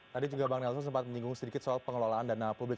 tadi juga bang nelson sempat menyinggung sedikit soal pengelolaan dana publik